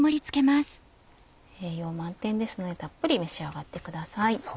栄養満点ですのでたっぷり召し上がってください。